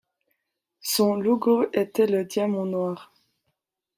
Son logo était le diamant noir.